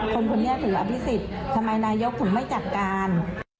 คนคุณเนี่ยถืออภิสิทธิ์ทำไมนายกถือไม่จัดการ